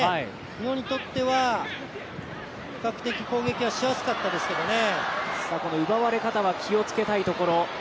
日本にとっては比較的、攻撃はしやすかったですけどね。